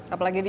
apalagi di atap